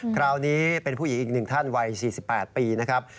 คราวนี้เป็นผู้หญิงอีกหนึ่งท่านวัย๔๘ปีนะครับ